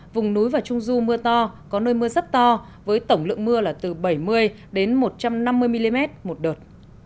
vùng núi và trung du mưa to có nơi mưa rất to với tổng lượng mưa là từ bảy mươi đến một trăm năm mươi mm một đợt